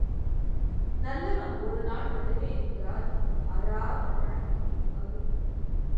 நல்லவன் ஒரு நாள் நடுவே நின்றால் அறாத வழக்கும் அறும்.